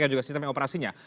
dan juga sistem operasinya